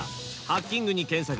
ハッキングに検索